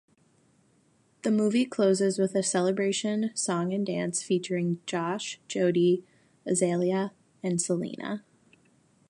The movie closes with a celebration song-and-dance featuring Josh, Jodie, Azalea and Selena.